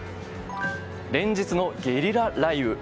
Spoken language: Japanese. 連日のゲリラ雷雨。